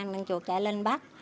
đặn chuột chạy lên bắt